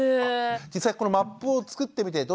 実際このマップを作ってみてどうですか？